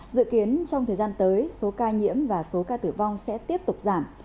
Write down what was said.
dự kiến trong thời gian tới số ca nhiễm và số ca tử vong sẽ tiếp tục giảm